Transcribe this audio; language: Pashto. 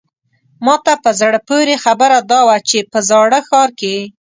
ماته په زړه پورې خبره دا وه چې په زاړه ښار کې.